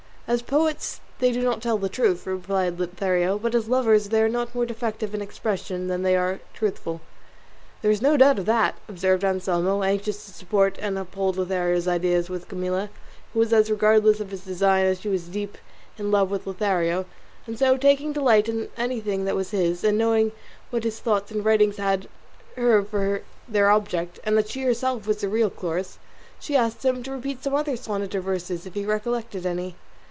"As poets they do not tell the truth," replied Lothario; "but as lovers they are not more defective in expression than they are truthful." "There is no doubt of that," observed Anselmo, anxious to support and uphold Lothario's ideas with Camilla, who was as regardless of his design as she was deep in love with Lothario; and so taking delight in anything that was his, and knowing that his thoughts and writings had her for their object, and that she herself was the real Chloris, she asked him to repeat some other sonnet or verses if he recollected any.